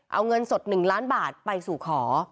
เอาเงินสด๑ล้านบาทไปสู่ขอ